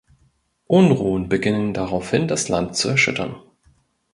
Unruhen beginnen daraufhin das Land zu erschüttern.